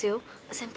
先輩